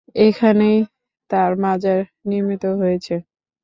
এখানেই তাঁর মাজার নির্মিত হয়েছে।